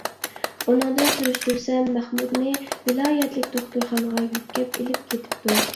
ئۇنىڭدىن سۈرۈشتۈرسەم مەخمۇتنى ۋىلايەتلىك دوختۇرخانىغا يۆتكەپ ئېلىپ كېتىپتۇ.